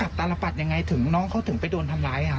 ตารปัดยังไงถึงน้องเขาถึงไปโดนทำร้าย